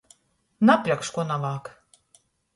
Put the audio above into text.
Napļakš, kuo navajag!